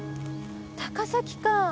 高崎か。